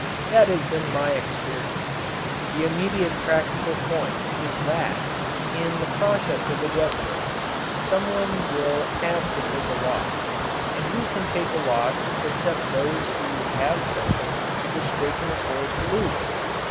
That has been my experience. The immediate practical point is that, in the process of adjustment, someone will have to take a loss. And who can take a loss except those who have something which they can afford to lose?